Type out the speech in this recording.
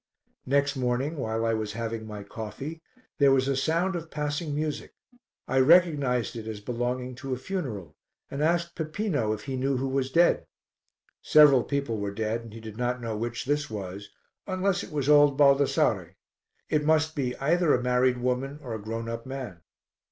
Next morning, while I was having my coffee, there was a sound of passing music; I recognized it as belonging to a funeral, and asked Peppino if he knew who was dead. Several people were dead and he did not know which this was, unless it was old Baldassare; it must be either a married woman or a grown up man.